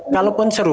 kalau pun seru